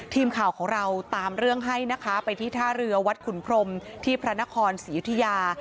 ทีมข่าวของเราตามเรื่องให้นะคะไปที่ท่าเรือวัดขุนพรมที่พระนครศรียุธยา